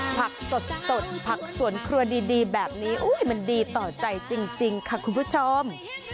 ผักสดผักสวนครัวดีแบบนี้มันดีต่อใจจริงค่ะคุณผู้ชม